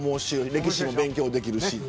歴史も勉強できるし。